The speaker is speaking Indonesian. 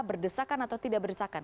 berdesakan atau tidak berdesakan